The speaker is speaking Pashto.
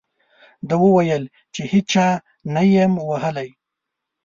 ده وویل چې هېچا نه یم ووهلی.